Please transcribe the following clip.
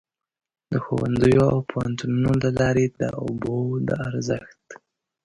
د ښوونځیو او پوهنتونونو له لارې دې د اوبو د ارزښت.